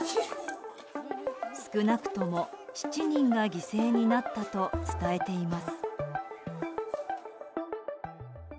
少なくとも７人が犠牲になったと伝えています。